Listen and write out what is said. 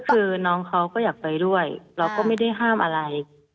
คือน้องเขาก็อยากไปด้วยเราก็ไม่ได้ห้ามอะไร